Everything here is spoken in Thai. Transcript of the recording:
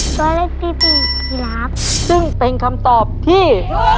ตัวเลขที่เป็นพี่รับซึ่งเป็นคำตอบที่